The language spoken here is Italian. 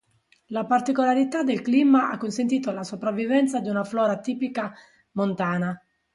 La particolarità del clima ha consentito la sopravvivenza di una flora tipica montana.